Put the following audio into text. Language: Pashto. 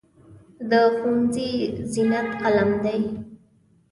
د ښوونځي زینت قلم دی.